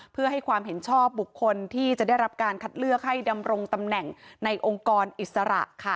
เพื่อให้ความเห็นชอบบุคคลที่จะได้รับการคัดเลือกให้ดำรงตำแหน่งในองค์กรอิสระค่ะ